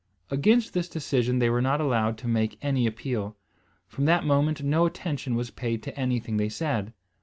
Against this decision they were not allowed to make any appeal. From that moment no attention was paid to anything they said.